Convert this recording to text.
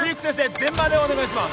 全麻でお願いします